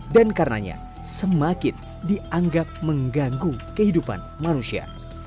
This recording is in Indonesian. dan karenanya semakin dianggap mengganggu kehidupan manusia